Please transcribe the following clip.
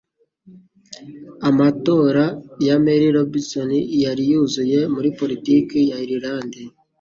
Amatora ya Mary Robinson yari yuzuye muri politiki ya Irilande